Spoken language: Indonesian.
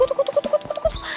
eh tunggu tunggu tunggu